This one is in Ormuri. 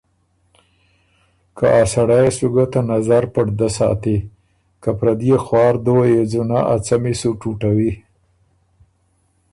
که ا سړئ يې سُو ګۀ ته نظر پړدۀ ساتی، که پرديې خوار دُوه يې ځُونَۀ ا څمی سو ټُوټوی۔